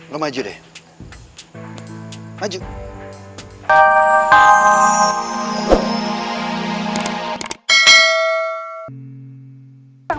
rumah aja deh